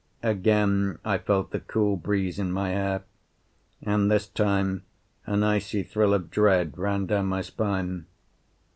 Again I felt the cool breeze in my hair, and this time an icy thrill of dread ran down my spine.